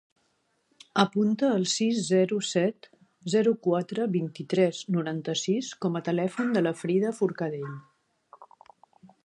Apunta el sis, zero, set, zero, quatre, vint-i-tres, noranta-sis com a telèfon de la Frida Forcadell.